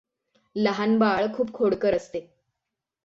लहान बाळ खूप खोडकर असते.